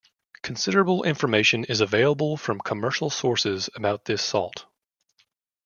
Considerable information is available from commercial sources about this salt.